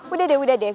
udah deh udah deh